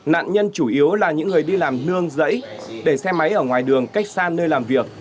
nạn nhân chủ yếu là những người đi làm nương dẫy để xe máy ở ngoài đường cách xa nơi làm việc